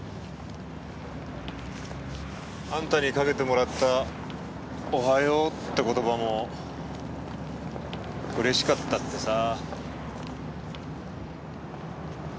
あんたにかけてもらったおはようって言葉もうれしかったってさ。